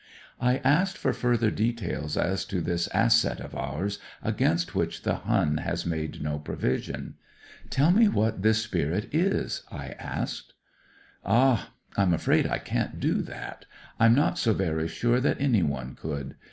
I asked for further details as to this asset of ours against which the Hun has made no provision. " Tell me what this spirit is," I asked. A REVEREND CORPORAL 115 Ah ! I'm afraid I can't do that. I'm not so very sure that anyone could.